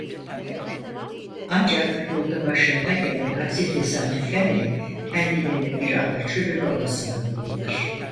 Ancak yolda başlarına gelen aksi tesadüflerle kendilerini bir anda çölün ortasında bulurlar.